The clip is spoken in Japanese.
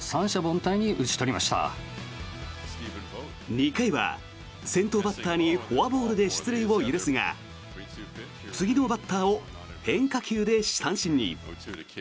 ２回は先頭バッターにフォアボールで出塁を許すが次のバッターを変化球で三振に。